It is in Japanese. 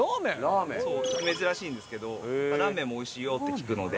珍しいんですけどラーメンもおいしいよって聞くので。